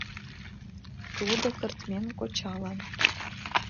Тудо кыртмен кочалан...